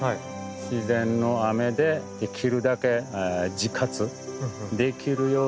自然の雨でできるだけ自活できるようにしていくこと。